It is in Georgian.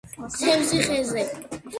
თევზი ხეზე